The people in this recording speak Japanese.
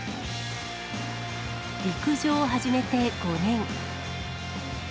陸上を始めて５年。